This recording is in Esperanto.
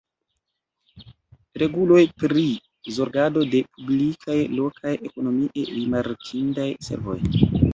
Reguloj pri zorgado de publikaj lokaj ekonomie rimarkindaj servoj.